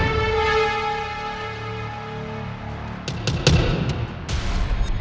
tangkap papa gerahang hidup hidup